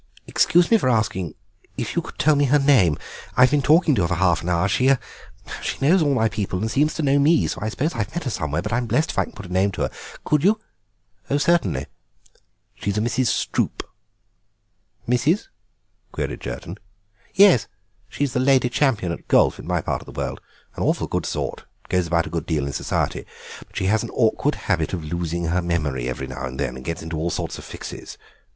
Excuse me for asking if you could tell me her name; I've been talking to her for half an hour; she—er—she knows all my people and seems to know me, so I suppose I've met her somewhere before, but I'm blest if I can put a name to her. Could you—?" "Certainly. She's a Mrs. Stroope." "Mrs.?" queried Jerton. "Yes, she's the Lady Champion at golf in my part of the world. An awful good sort, and goes about a good deal in Society, but she has an awkward habit of losing her memory every now and then, and gets into all sorts of fixes.